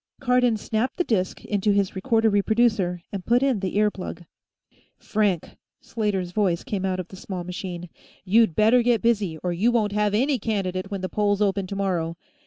Cardon snapped the disk into his recorder reproducer and put in the ear plug. "Frank," Slater's voice came out of the small machine. "You'd better get busy, or you won't have any candidate when the polls open tomorrow.